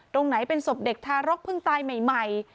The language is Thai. ตรงไหนเป็นศพเด็กทารกเพิ่งตายใหม่